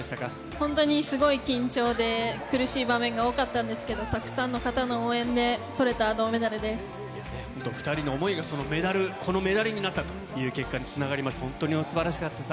本当にすごい緊張で苦しい場面が多かったんですけど、たくさんの方の応援でとれた銅メダルで本当２人の想いが、このメダルになったという結果につながりまして、本当にすばらしかったです。